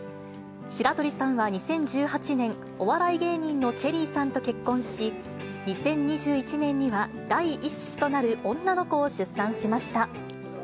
白鳥さんは２０１８年、お笑い芸人のチェリーさんと結婚し、２０２１年には第１子となる女の子を出産しました。